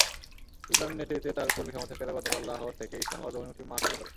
ইমরানের নেতৃত্বে তাঁর কর্মী-সমর্থকেরা গতকাল লাহোর থেকে ইসলামাবাদ অভিমুখী মার্চ শুরু করেন।